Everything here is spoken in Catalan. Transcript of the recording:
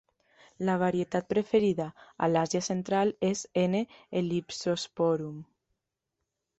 La varietat preferida a l'Àsia central es "N. ellipsosporum".